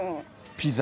ピザ。